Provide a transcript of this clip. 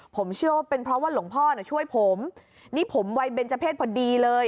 ผมเชื่อว่าเป็นเพราะว่าหลวงพ่อน่ะช่วยผมนี่ผมวัยเบนเจอร์เพศพอดีเลย